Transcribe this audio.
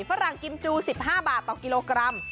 ฝรั่งกิมจู๑๕บาทต่อกิโลกรัม